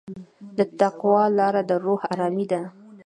د تقوی لاره د روح ارامي ده.